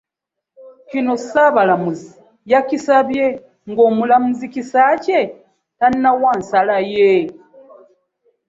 Kino ssaabalamuzi yakisabye ng'omulamuzi Kisakye tannawa nsala ye.